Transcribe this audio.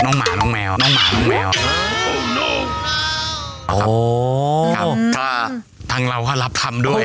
โอ้ถ้าทางเราก็รับทำด้วย